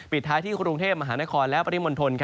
ปิดท้ายที่กรุงเทพฯมหานครและปฏิมนธนฯ